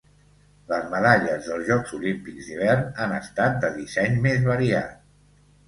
Les medalles dels Jocs Olímpics d'hivern han estat de disseny més variat.